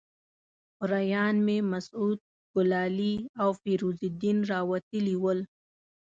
خوریان مې مسعود ګلالي او فیروز الدین راوتلي ول.